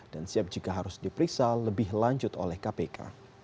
dan siap jika harus diperiksa lebih lanjut oleh kpk